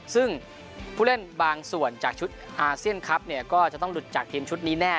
ซึ่งผู้เล่นบางส่วนจากชุดอาเซียนคลับเนี่ยก็จะต้องหลุดจากทีมชุดนี้แน่